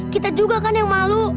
kita juga kan yang malu